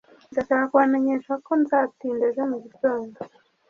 ndashaka kubamenyesha ko nzatinda ejo mugitondo